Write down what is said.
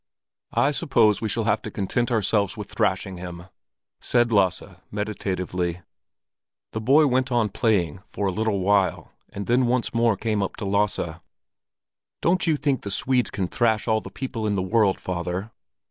"I suppose we shall have to content ourselves with thrashing him," said Lasse meditatively. The boy went on playing for a little while, and then once more came up to Lasse. "Don't you think the Swedes can thrash all the people in the world, father?"